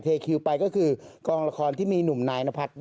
เทคิวไปก็คือกล้องละครที่มีหนุ่มนายนภัทร